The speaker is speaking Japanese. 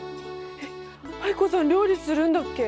えっ藍子さん料理するんだっけ？